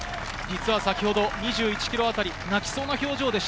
先ほど２１ｋｍ辺り、泣きそうな表情でした。